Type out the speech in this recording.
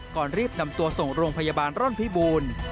ก่อนรีบนำตัวส่งโรงพยาบาลร่อนพิบูรณ์